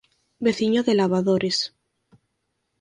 Veciño de Lavadores.